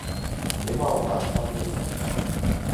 Meu malvado favorito